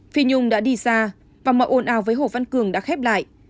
phi nhung đã đi xa và mọi ồn ào với hồ văn cường đã khép lại